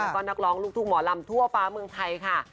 ก็นักร้องลูกทุ่งหมอลำทั่วฟ้าเมืองไทยค่ะ